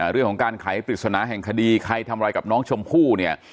เรื่องของการไขปริศนาแห่งคดีใครทำอะไรกับน้องชมพู่เนี่ย